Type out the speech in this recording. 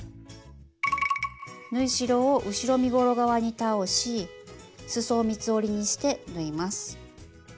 縫い代を後ろ身ごろ側に倒しすそを三つ折りにして縫います。